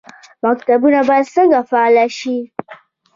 مکتبونه باید څنګه فعال شي؟